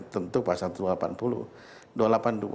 tentu pasangan dua ratus delapan puluh